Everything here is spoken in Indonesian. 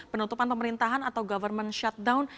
penutupan pemerintahan atau government shutdown